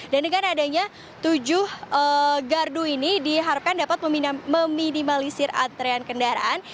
dengan adanya tujuh gardu ini diharapkan dapat meminimalisir antrean kendaraan